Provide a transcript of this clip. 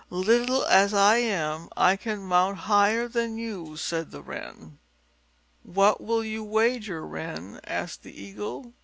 "Little as I am, I can mount higher than you," said the Wren. "What will you wager, Wren?" asked the Eagle.